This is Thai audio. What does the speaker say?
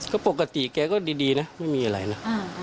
ก็ปกติแกก็ดีนะไม่มีอะไรนะ